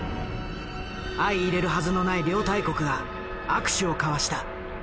相いれるはずのない両大国が握手を交わした。